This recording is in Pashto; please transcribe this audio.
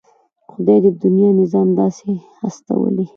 خدای د دې دنيا نظام داسې هستولی.